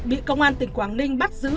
bị công an tỉnh quảng ninh bắt giữ